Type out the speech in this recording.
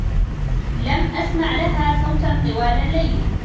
لم أسمع لها صوتا طوال اللّيل.